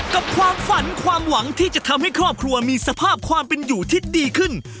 กับความฝันความหวังที่จะทำให้ครอบครัวมีสภาพความเป็นอยู่ที่ดีขึ้น